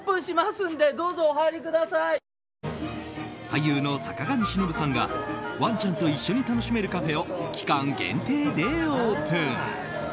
俳優の坂上忍さんがワンちゃんと一緒に楽しめるカフェを期間限定でオープン。